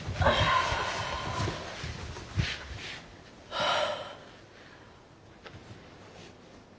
はあ。